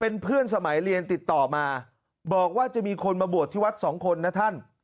เป็นเพื่อนสมัยเรียนติดต่อมาบอกว่าจะมีคนมาบวชที่วัดสองคนนะท่าน